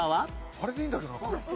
あれでいいんだよな？